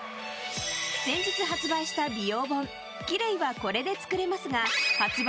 先日発売した美容本「キレイはこれでつくれます」が発売